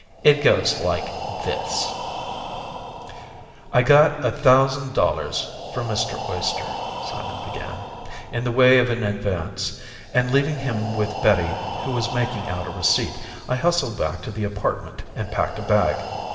It goes like this:" I got a thousand dollars from Mr. Oyster (Simon began) in the way of an advance, and leaving him with Betty who was making out a receipt, I hustled back to the apartment and packed a bag.